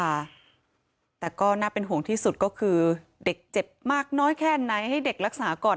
แต่ก็น่าเป็นห่วงที่สุดก็คือเด็กเจ็บมากน้อยแค่ไหนให้เด็กรักษาก่อน